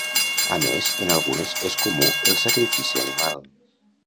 A més, en algunes és comú el sacrifici animal.